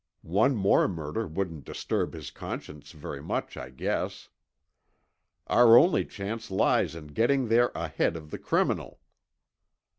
One more murder wouldn't disturb his conscience very much, I guess. Our only chance lies in getting there ahead of the criminal."